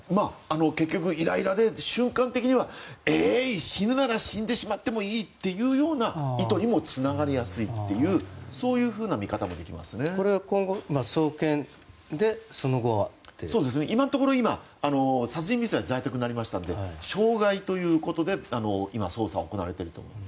結局イライラで瞬間的にはえーい、死ぬなら死んでしまってもいいというというような意図にもつながりやすい今度は送検で今のところ殺人未遂は在宅になりましたので傷害ということで今、捜査が行われていると。